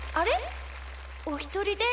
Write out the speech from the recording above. おひとりですか？